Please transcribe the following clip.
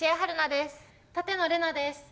舘野伶奈です。